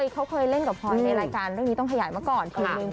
เค้าเคยเล่นกับพรในรายการเรื่องต้องพยายามะก่อน